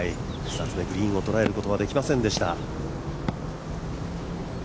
久常、グリーンを捉えることはできませんでした。